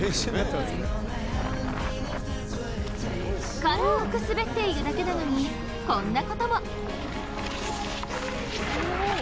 かるーく滑っているだけなのにこんなことも。